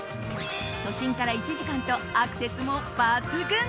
都心から１時間とアクセスも抜群。